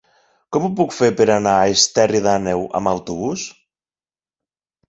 Com ho puc fer per anar a Esterri d'Àneu amb autobús?